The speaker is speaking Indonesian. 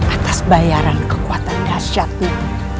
atas bayaran kekuatan dahsyatnya